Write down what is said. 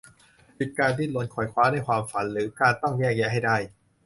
หยุดการดิ้นรนไขว่คว้าในความฝัน หรือการต้องแยกแยะให้ได้